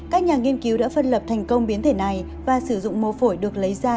các nhà nghiên cứu đã phân lập thành công biến thể này và sử dụng mô phổi được lấy ra